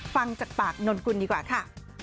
ฟังจากปากนนกุลดีกว่าค่ะ